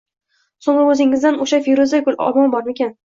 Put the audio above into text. So‘ngra o‘zingizdan: «O‘sha feruza gul omon bormikan?